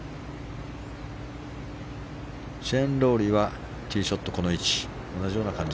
シェーン・ロウリーはティーショット、この位置。